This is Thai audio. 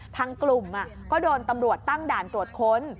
ทางกลุ่มก็โดนตำรวจตั้งด่านตรวจค้น